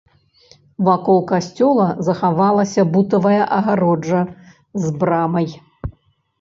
Вакол касцёла захавалася бутавая агароджа з брамай.